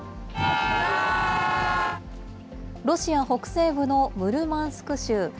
ロシア北西部のムルマンスク州。